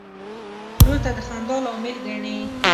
ورور ته د خندا لامل ګڼې.